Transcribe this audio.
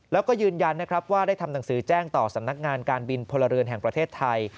แล้วก็ยืนยันนะครับว่าได้ทำหนังสือแจ้งต่อสำนักงานการบินพลเรือนแห่งประเทศไทย